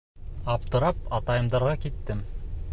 Аптырап, атайымдарға киттем.